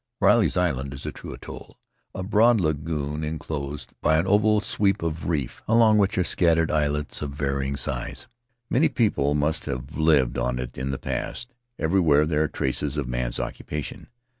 Riley's island is a true atoll — a broad lagoon in closed by an oval sweep of reef along which are scat tered islets of varying size. Many people must have lived on it in the past; everywhere there are traces of man's occupation.